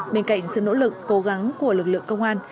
bên cạnh sự nỗ lực cố gắng của lực lượng công an